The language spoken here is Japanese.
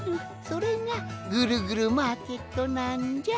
それがぐるぐるマーケットなんじゃ。